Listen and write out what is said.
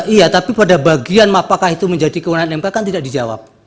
iya tapi pada bagian apakah itu menjadi kewenangan mk kan tidak dijawab